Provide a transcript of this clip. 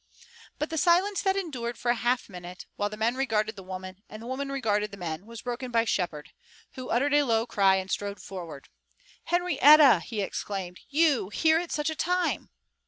But the silence that endured for a half minute, while the men regarded the woman and the woman regarded the men, was broken by Shepard, who uttered a low cry and strode forward. "Henrietta," he exclaimed, "you here at such a time!"